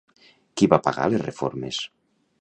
Qui va pagar les reformes?